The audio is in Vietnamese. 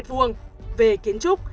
về kiến trúc